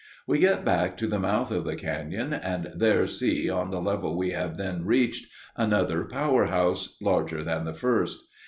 We get back to the mouth of the cañon, and there see, on the level we have then reached, another power house, larger than the first.